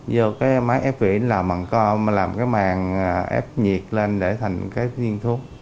vô cái máy ép vỉ làm bằng co làm cái màng ép nhiệt lên để thành cái viên thuốc